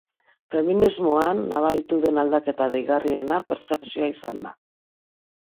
Feminismoan nabaritu den aldaketa deigarriena pertzepzioa izan da.